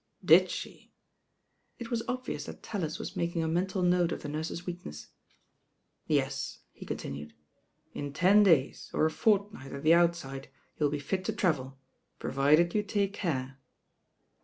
"Did she?" It was obvious that TaUis was mak ing a mental note of the nurse's weakness. "Yes " ^e continued, "in ten days, or a fortnight at the oJt sidc, you 11 be fit to travel, provided you take care."